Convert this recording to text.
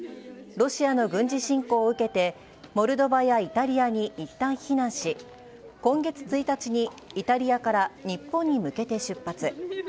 ロシアの軍事侵攻を受けて、モルドバやイタリアにいったん避難し、今月１日にイタリアから日本に向けて出発。